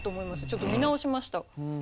ちょっと見直しました。